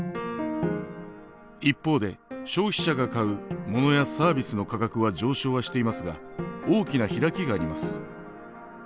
一方で消費者が買う物やサービスの価格は上昇はしていますが大きな開きがあります。